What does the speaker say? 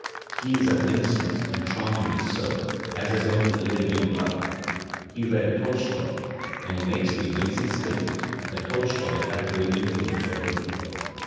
He is as innocent (and charmingly so) as his own Lydia Blood. He read Tolstoy, and he makes the amazing statement that Tolstoy had a great influence on him.